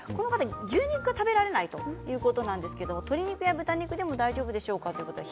牛肉が食べられないということなんですが鶏肉や豚肉でも大丈夫でしょうかときています。